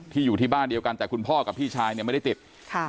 อยู่ที่บ้านเดียวกันแต่คุณพ่อกับพี่ชายเนี่ยไม่ได้ติดค่ะ